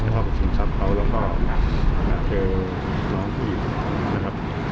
จะเข้าไปชิงทรัพย์เขาแล้วก็เจอน้องอีกนะครับ